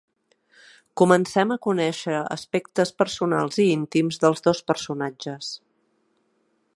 Comencem a conèixer aspectes personals i íntims dels dos personatges.